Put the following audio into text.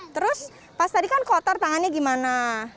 terus pas tadi kan kotor tangannya gimana